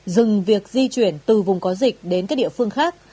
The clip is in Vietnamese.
dừng việc di chuyển từ vùng có dịch đến các địa phương khác